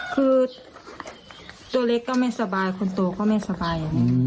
คือตัวเล็กก็ไม่สบายคนโตก็ไม่สบาย